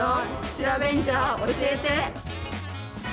シラベンジャー、教えて。